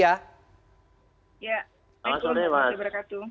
ya selamat sore pak